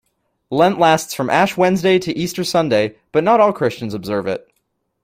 Lent lasts from Ash Wednesday to Easter Sunday, but not all Christians observe it.